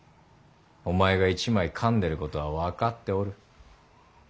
お前が一枚かんでることは分かっておる。